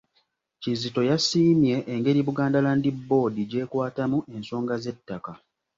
Kizito yasiimye engeri Buganda Land Board gy'ekwatamu ensonga z'ettaka.